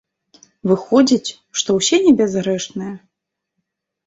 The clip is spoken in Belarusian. Выходзіць, што ўсе небязгрэшныя?